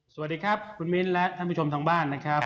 สวัสดีครับคุณมิ้นและท่านผู้ชมทางบ้านนะครับ